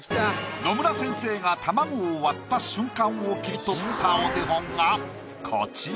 野村先生が卵を割った瞬間を切り取ったお手本がこちら。